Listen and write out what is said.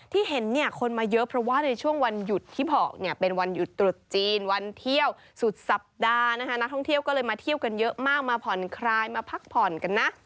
ที่เห็นเนี่ยคนมาเยอะเพราะว่าในช่วงวันหยุดที่บอกเนี่ยเป็นวันหยุดตรุษจีนวันเที่ยวสุดสัปดาห์นะคะนักท่องเที่ยวก็เลยมาเที่ยวกันเยอะมากมาผ่อนคลายมาพักผ่อนกันนะ